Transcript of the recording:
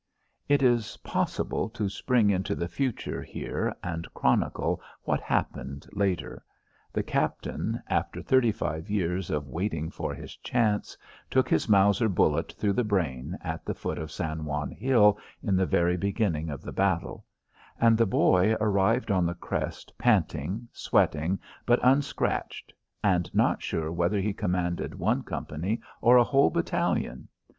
It is possible to spring into the future here and chronicle what happened later. The captain, after thirty five years of waiting for his chance, took his Mauser bullet through the brain at the foot of San Juan Hill in the very beginning of the battle, and the boy arrived on the crest panting, sweating, but unscratched, and not sure whether he commanded one company or a whole battalion.